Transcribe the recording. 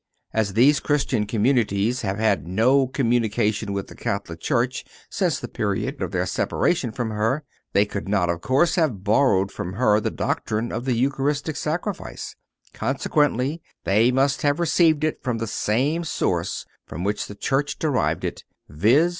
As these Christian communities have had no communication with the Catholic Church since the period of their separation from her, they could not, of course, have borrowed from her the doctrine of the Eucharistic Sacrifice; consequently they must have received it from the same source from which the Church derived it, viz.